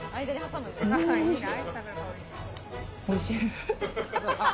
おいしい。